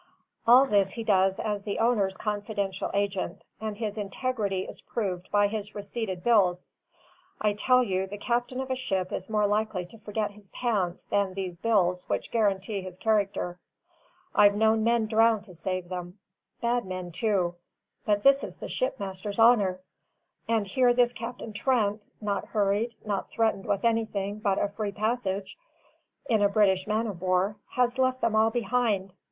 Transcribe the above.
All this he does as the owner's confidential agent, and his integrity is proved by his receipted bills. I tell you, the captain of a ship is more likely to forget his pants than these bills which guarantee his character. I've known men drown to save them: bad men, too; but this is the shipmaster's honour. And here this Captain Trent not hurried, not threatened with anything but a free passage in a British man of war has left them all behind!